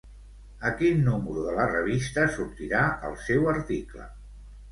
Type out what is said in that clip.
A quin número de la revista sortirà el seu article?